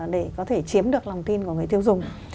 để có thể chiếm được lòng tin của người tiêu dùng